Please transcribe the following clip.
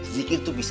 zikir tuh bisa